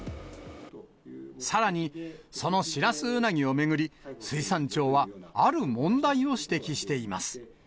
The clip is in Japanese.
さらに、そのシラスウナギを巡り、水産庁はある問題を指摘しています。